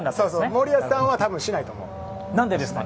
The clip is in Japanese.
森保さんはしないと思う。